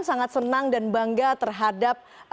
sangat senang dan bangga terhadap